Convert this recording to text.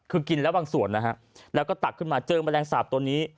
คือกินแล้วบางส่วนนะฮะแล้วก็ตักขึ้นมาเจอแมลงสาปตัวนี้